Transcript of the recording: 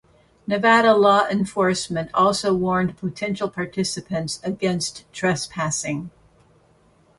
Nevada law enforcement also warned potential participants against trespassing.